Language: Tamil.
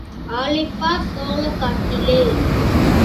ஆளைப் பார் சோளக்காட்டிலே.